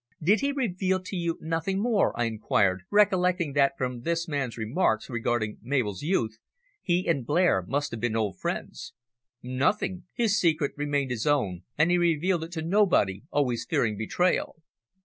"Did he reveal to you nothing more?" I inquired, recollecting that from this man's remarks regarding Mabel's youth, he and Blair must have been old friends. "Nothing. His secret remained his own, and he revealed it to nobody always fearing betrayal."